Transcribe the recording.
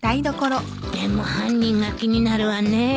でも犯人が気になるわねえ